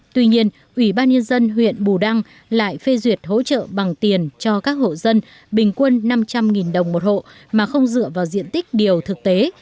tuy nhiên ủy ban nhân dân huyện bù đăng lại phê duyệt hỗ trợ bằng tiền cho các hộ dân bình quân năm trăm linh đồng một hộ mà không dựa vào diện tích điều thực tế